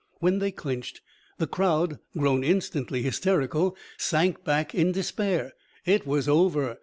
When they clinched, the crowd, grown instantly hysterical, sank back in despair. It was over.